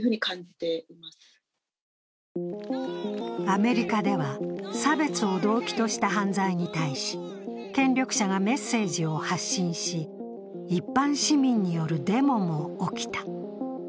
アメリカでは、差別を動機とした犯罪に対し権力者がメッセージを発信し、一般市民によるデモも起きた。